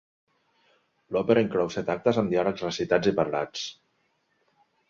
L'òpera inclou set actes amb diàlegs recitats i parlats.